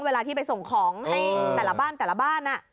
เวลาที่ไปส่งของให้แต่ละบ้านแต่ละบ้าน